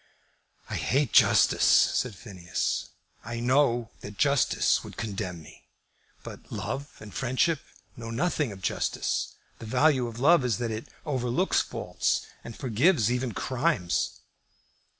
"I hate justice," said Phineas. "I know that justice would condemn me. But love and friendship know nothing of justice. The value of love is that it overlooks faults, and forgives even crimes."